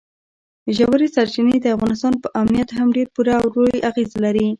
ژورې سرچینې د افغانستان په امنیت هم ډېر پوره او لوی اغېز لري.